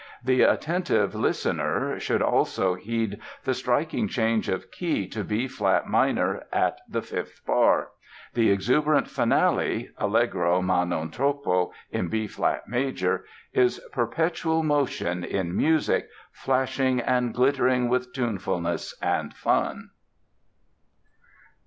The attentive listener should also heed the striking change of key to B flat minor at the fifth bar. The exuberant Finale ("Allegro ma non troppo" in B flat major) is perpetual motion in music, flashing and glittering with tunefulness and fun.